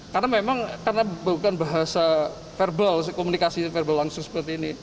karena memang bukan bahasa verbal komunikasi verbal langsung seperti ini